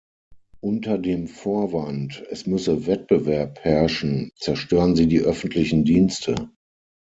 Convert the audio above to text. Unter dem Vorwand, es müsse Wettbewerb herrschen, zerstören Sie die öffentlichen Dienste.